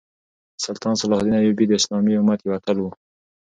سلطان صلاح الدین ایوبي د اسلامي امت یو اتل وو.